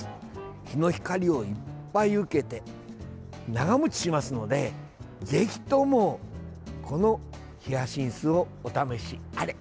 日の光をいっぱい受けて長もちしますのでぜひとも、このヒヤシンスをお試しあれ。